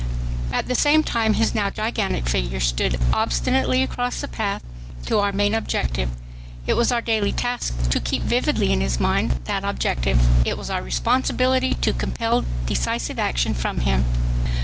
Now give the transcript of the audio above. At the same time his now gigantic figure stood obstinately across the path to our main objective. It was our daily task to keep vividly in his mind that objective. It was our responsibility to compel decisive action from him.